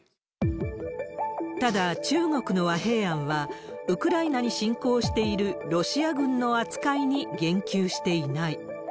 ただ、中国の和平案は、ウクライナに侵攻しているロシア軍の扱いに言及していない。